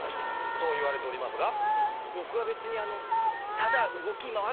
そう言われておりますが？